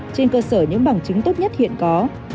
trên cơ sở những bằng chứng tốt nhất hiện có